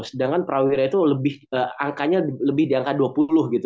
sedangkan prawira itu angkanya lebih di angka dua puluh gitu